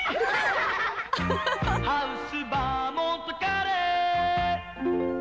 「ハウスバーモントカレー」